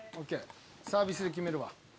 サービスで決めるわ。